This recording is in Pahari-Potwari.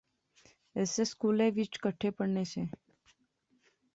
ہیسے سکولے وچ کٹھے پڑھنے سے